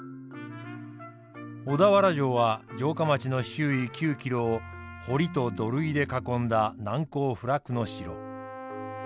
小田原城は城下町の周囲９ｋｍを堀と土塁で囲んだ難攻不落の城。